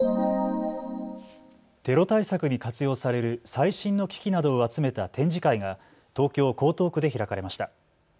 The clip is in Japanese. テロ対策に活用される最新の機器などを集めた展示会が東京江東区で開かれました。